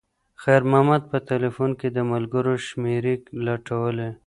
خیر محمد په تلیفون کې د ملګرو شمېرې لټولې.